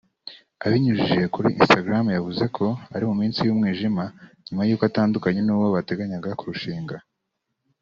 Abinyujije kuri Instagram yavuze ko ari mu minsi y’umwijima nyuma y’uko atandukanye n’uwo bateganyaga kurushinga